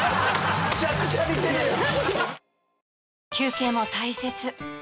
めちゃくちゃ似てるやん。